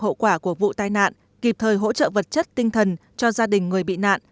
hậu quả của vụ tai nạn kịp thời hỗ trợ vật chất tinh thần cho gia đình người bị nạn